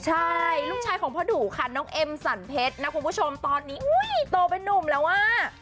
ใช่ลูกชายของพ่อดุค่ะน้องเอ็มสันเพชรนะคุณผู้ชมตอนนี้อุ้ยโตเป็นนุ่มแล้วอ่ะ